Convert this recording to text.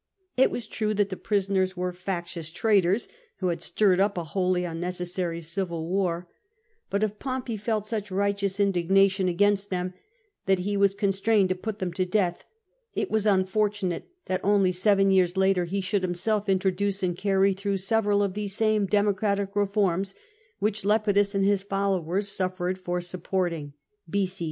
It was true that the prisoners were factious traitors, who had stirre<l up a wholly unnecessary civil war, but, if Pompey felt POMPEY GOES TO SPAIN 243 such righteons indignation against them, that he was constrained to put them to death, it was unfortunate that only seven years later he should himself introduce and carry through several of these same Democratic reforms which Lepidus and his followers suffered for supporting [b.C.